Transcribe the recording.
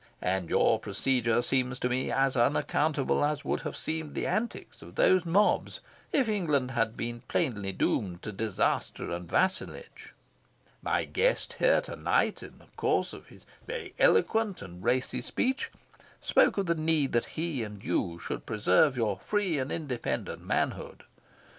And your procedure seems to me as unaccountable as would have seemed the antics of those mobs if England had been plainly doomed to disaster and to vassalage. My guest here to night, in the course of his very eloquent and racy speech, spoke of the need that he and you should preserve your 'free and independent manhood.